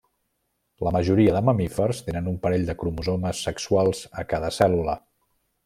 La majoria de mamífers tenen un parell de cromosomes sexuals a cada cèl·lula.